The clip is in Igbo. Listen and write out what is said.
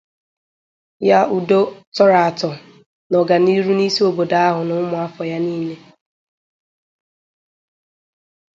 ya udo tọrọ atọ na ọganihu n'isi obodo ahụ na ụmụafọ ya niile